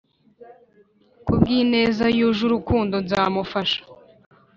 ku bw’ ineza yuje urukundo nzamufasha.